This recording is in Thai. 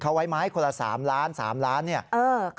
เขาไว้ไม้คนละ๓ล้านบาท๓ล้านบาท